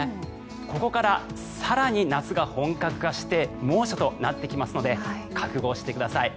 ここから更に夏が本格化して猛暑となってきますので覚悟してください。